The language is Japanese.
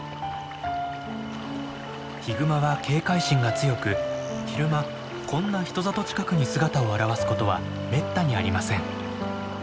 ヒグマは警戒心が強く昼間こんな人里近くに姿を現すことはめったにありません。